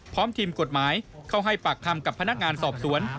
พร้อมทีมกฎหมายเข้าให้ปากคำกับพนักงานสอบสวน